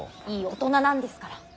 いい大人なんですから。